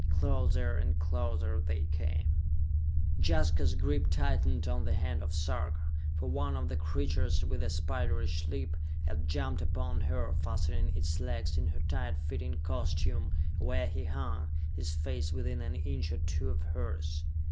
Closer and closer they came. Jaska's grip tightened on the hand of Sarka, for one of the creatures, with a spiderish leap, had jumped upon her, fastening its legs in her tight fitting costume, where he hung, his face within an inch or two of hers.